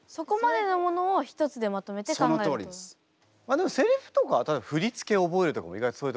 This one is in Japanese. でもセリフとか振り付け覚えるとかも意外とそういうとこある。